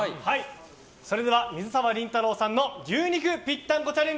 それでは水沢林太郎さんの牛肉ぴったんこチャレンジ